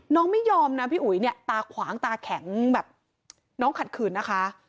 น้องไม่ยอมนะพี่อุ๋ยเนี่ยตาขวางตาแข็งแบบน้องขัดขืนนะคะ